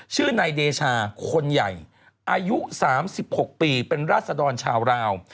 ชื่อนายเดชาคนใหญ่อายุ๓๖ปีเป็นราศดรชาวราว